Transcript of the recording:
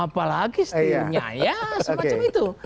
ya semacam itu